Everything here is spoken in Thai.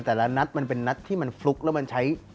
แต่ละนัดมันเป็นนัดที่มันฟลุกแล้วมันใช้